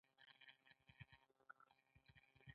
همغږي د بریا راز دی